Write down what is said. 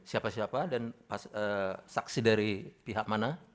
siapa siapa dan saksi dari pihak mana